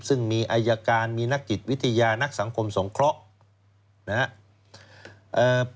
ซึ่งมีอายการมีนักจิตวิทยานักสังคมสงเคราะห์นะครับ